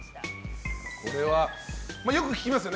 これはよく聞きますよね